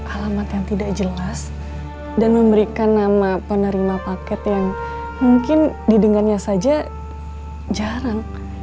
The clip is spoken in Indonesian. alamat yang tidak jelas dan memberikan nama penerima paket yang mungkin didengarnya saja jarang